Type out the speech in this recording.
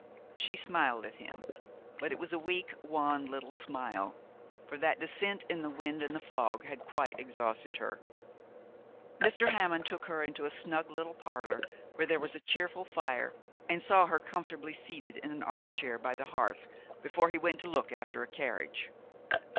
She smiled at him, but it was a weak, wan little smile, for that descent in the wind and the fog had quite exhausted her. Mr. Hammond took her into a snug little parlour where there was a cheerful fire, and saw her comfortably seated in an arm chair by the hearth, before he went to look after a carriage.